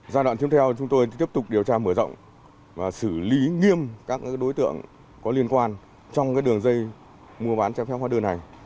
giai đoạn tiếp theo chúng tôi tiếp tục điều tra mở rộng và xử lý nghiêm các đối tượng có liên quan trong đường dây mua bán trái phép hóa đơn này